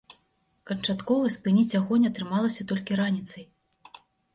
Канчаткова спыніць агонь атрымалася толькі раніцай.